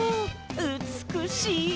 うつくしい！